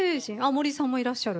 森さんもいらっしゃる。